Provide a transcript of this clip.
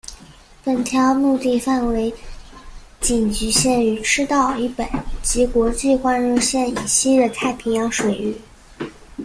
本条目的范围仅局限于赤道以北及国际换日线以西的太平洋水域。